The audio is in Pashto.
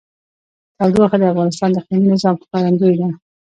تودوخه د افغانستان د اقلیمي نظام ښکارندوی ده.